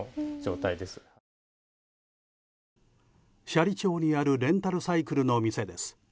斜里町にあるレンタルサイクルの店です。